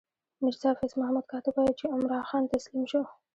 میرزا فیض محمد کاتب وايي چې عمرا خان تسلیم شو.